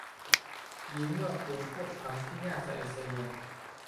ยิ้มเมื่อคุณพูดคำที่น่าสะอิดสะเอียน